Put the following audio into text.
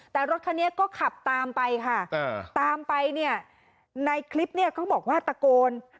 แต่รถคันนี้ก็ขับตามไปค่ะตามไปเนี่ยในคลิปเนี่ยเขาบอกว่าตะโกน